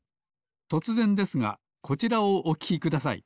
とつぜんですがこちらをおききください。